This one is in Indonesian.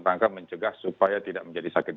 rangka mencegah supaya tidak menjadi sakit